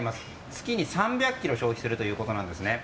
月に３００ｋｇ消費するということです。